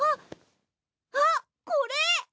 あっこれ！